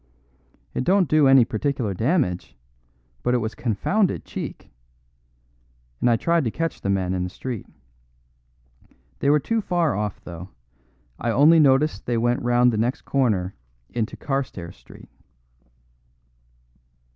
It don't do any particular damage, but it was confounded cheek; and I tried to catch the men in the street. They were too far off though; I only noticed they went round the next corner into Carstairs Street."